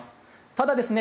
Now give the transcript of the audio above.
ただですね